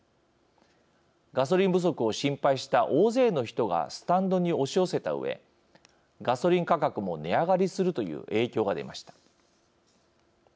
ガソリン不足を心配した大勢の人がスタンドに押し寄せたうえ、ガソリン価格も値上がりするという影響が出ました。